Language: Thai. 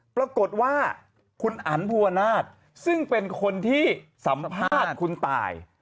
ปรากฏว่าคุณอันภูวนาศซึ่งเป็นคนที่สัมภาษณ์คุณตาย